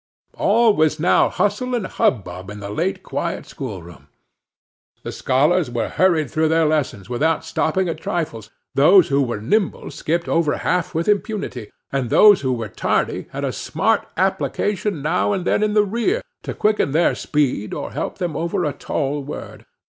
All was now bustle and hubbub in the late quiet schoolroom. The scholars were hurried through their lessons without stopping at trifles; those who were nimble skipped over half with impunity, and those who were tardy had a smart application now and then in the rear, to quicken their speed or help them over a tall word.